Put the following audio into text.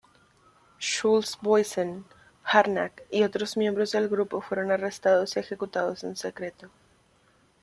Schulze-Boysen, Harnack y otros miembros del grupo fueron arrestados y ejecutados en secreto.